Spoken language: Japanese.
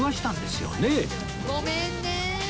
ごめんね。